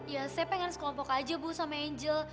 ya saya pengen sekelompok aja bu sama angel